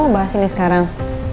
mau bahas ini sekarang